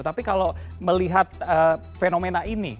tapi kalau melihat fenomena ini